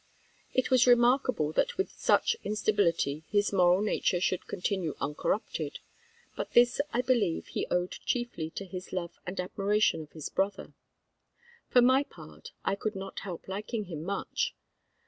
It was remarkable that with such instability his moral nature should continue uncorrupted; but this I believe he owed chiefly to his love and admiration of his brother. For my part, I could not help liking him much.